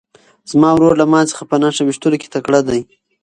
زما ورور له ما څخه په نښه ویشتلو کې تکړه دی.